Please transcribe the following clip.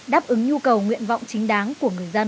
đáp ứng nhu cầu nguyện vọng chính đáng của người dân